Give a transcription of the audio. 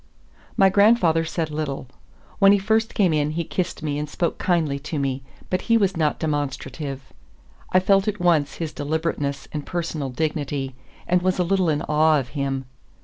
My grandfather said little. When he first came in he kissed me and spoke kindly to me, but he was not demonstrative. I felt at once his deliberateness and personal dignity, and was a little in awe of him.